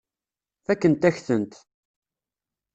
Fakkent-ak-tent.